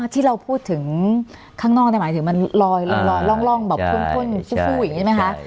ที่เราพูดถึงข้างนอกหมายถึงมันลอยร่องแบบเข้มข้นสู้อย่างนี้ใช่ไหมคะ